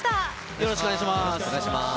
よろしくお願いします。